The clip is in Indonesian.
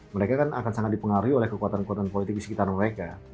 mereka kan akan sangat dipengaruhi oleh kekuatan kekuatan politik di sekitar mereka